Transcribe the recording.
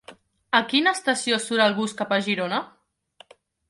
A quina estació surt el bus cap a Girona?